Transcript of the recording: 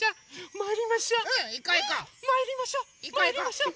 まいりましょ！